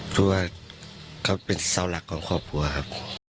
เพราะว่าเขาเป็นเสาหลักของครอบครัวครับ